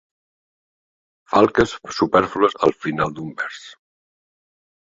Falques supèrflues al final d'un vers.